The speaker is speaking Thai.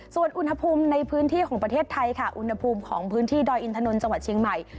ส่วนอุณหภูมิในพื้นที่ของประเทศไทยค่ะอุณหภูมิของพื้นที่ดอยอินทนนท์จังหวัดเชียงใหม่